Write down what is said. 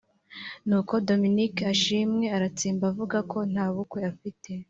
nuko Dominic Ashimwe aratsemba avuga ko nta bukwe afite